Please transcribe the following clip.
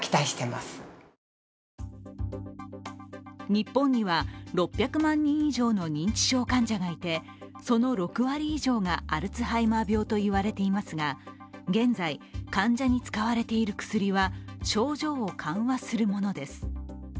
日本には６００万人以上の認知症患者がいてその６割以上がアルツハイマー病といわれていますが現在、患者に使われている薬は症状を緩和するものです。